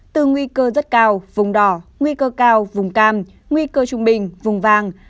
từ nguy cơ rất cao vùng đỏ nguy cơ cao vùng cam nguy cơ trung bình vùng vàng